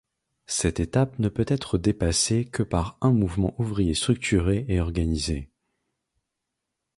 Cette étape ne peut être dépassée que par un mouvement ouvrier structuré et organisé.